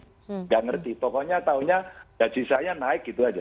tidak mengerti pokoknya tahunya gaji saya naik gitu saja